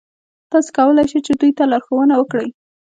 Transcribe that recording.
تاسې کولای شئ چې دوی ته لارښوونه وکړئ.